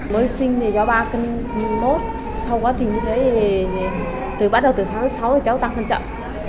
mới sinh thì do ba cân sau quá trình như thế từ bắt đầu từ tháng sáu thì cháu tăng hơn chậm